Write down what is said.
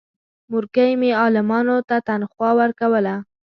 مورکۍ مې عالمانو ته تنخوا ورکوله.